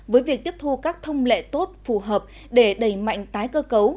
với việc tiếp thu các thông lệ tốt phù hợp để đẩy mạnh tái cơ cấu